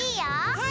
はい。